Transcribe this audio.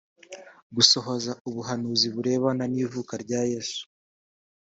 gusohoza ubuhanuzi burebana n’ivuka rya yesu